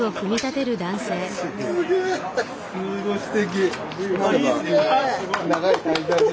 すごいすてき。